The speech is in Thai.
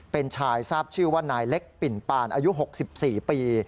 เป็นชายทราบชื่อว่านายเล็กปิ่นปานอายุ๖๔ปี